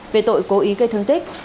về tội cố ý gây thương tích